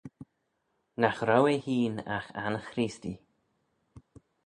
Nagh row ehhene agh anchreestee.